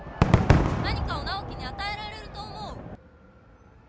何かを直季に与えられると思う！